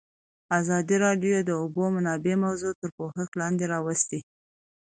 ازادي راډیو د د اوبو منابع موضوع تر پوښښ لاندې راوستې.